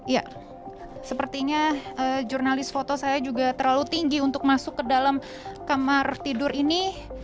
ya sepertinya jurnalis foto saya juga terlalu tinggi untuk masuk ke dalam kamar tidur ini